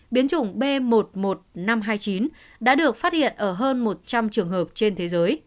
biến chủng b một mươi một nghìn năm trăm hai mươi chín đã được phát hiện ở hơn một trăm linh trường hợp trên thế giới